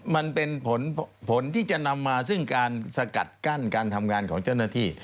มันเป็นผลที่จะนำมาซึ่งการสกัดกั้นการทำงานของเจ้าหน้าที่